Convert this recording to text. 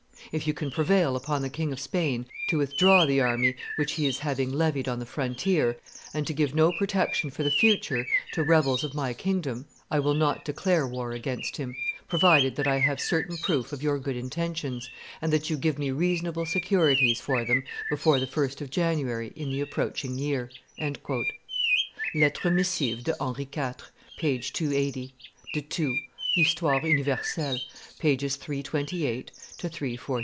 If you can prevail upon the King of Spain to withdraw the army which he is having levied on the frontier, and to give no protection for the future to rebels of my kingdom, I will not declare war against him, provided that I have certain proof of your good intentions, and that you give me reasonable securities for them before the 1st of January in the approaching year." [Lettres missives de Henri IV, p. 280 De Thou, Histoire universelle, t. xii. pp. 328 342.